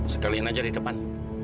sekalian saja di depan